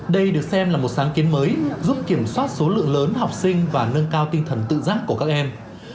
đây được xem là một sáng kiến mới giúp kiểm soát số lượng lớn học sinh và nâng cao tinh thần tự giác của các em